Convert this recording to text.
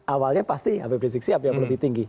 awalnya pasti habib rizik sihab yang lebih tinggi